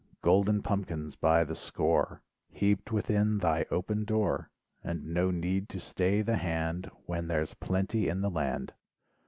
Golden pumpkins by the score, Heaped within thy open door, And no need to stay the hand When there's plenty in the land.